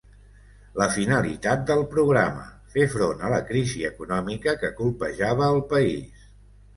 La finalitat del programa: fer front a la crisi econòmica que colpejava el país.